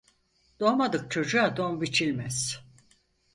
Doğmadık çocuğa don biçilmez.